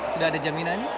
sudah ada jaminan